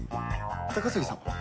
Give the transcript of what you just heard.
高杉さんは？